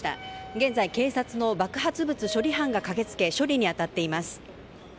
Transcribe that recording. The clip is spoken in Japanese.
現在、警察の爆発物処理班が駆けつけ処理に当たっています。